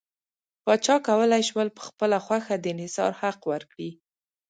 پاچا کولای شول په خپله خوښه د انحصار حق ورکړي.